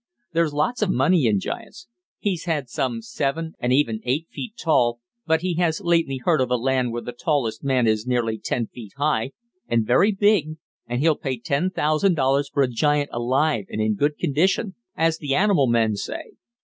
There's lots of money in giants. He's had some seven, and even eight feet tall, but he has lately heard of a land where the tallest man is nearly ten feet high, and very big, and he'll pay ten thousand dollars for a giant alive and in good condition, as the animal men say.